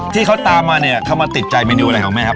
ที่เขาตามมาเนี่ยเขามาติดใจเมนูอะไรของแม่ครับ